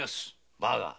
バカ！